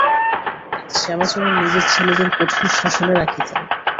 শ্যামাচরণ নিজের ছেলেদের কঠোর শাসনে রাখিতেন।